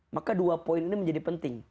maka dua poin ini menjadi penting